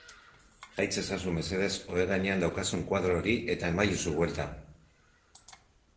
Jaits ezazu, mesedez, ohe gainean daukazun koadro hori eta emaiozu buelta.